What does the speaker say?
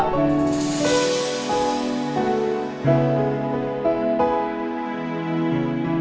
lu mau panggil pangeran banget